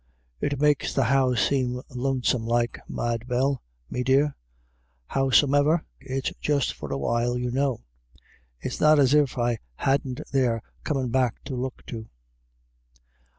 It makes the house seem lone some like, Mad Bell, me dear ; howsome'er, it's just for a while you know. It's not as if I hadn't their comin' back to look to."